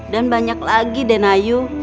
dan banyak lagi den ayu